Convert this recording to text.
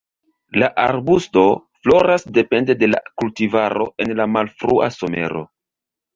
La arbusto floras depende de la kultivaro en la malfrua somero.